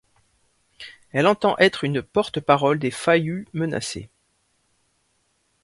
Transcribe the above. Elle entend être une porte-parole des Fayu menacés.